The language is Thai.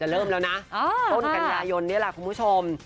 เริ่มแล้วนะต้นกันยายนนี่แหละคุณผู้ชม